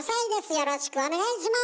よろしくお願いします。